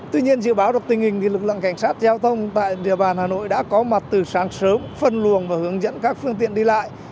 tuy nhiên dự báo được tình hình lực lượng cảnh sát giao thông tại địa bàn hà nội đã có mặt từ sáng sớm phân luồng và hướng dẫn các phương tiện đi lại